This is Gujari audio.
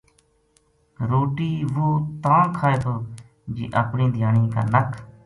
روٹی وہ تاں کھائے تھو جی اپنی دھیانی کا نَک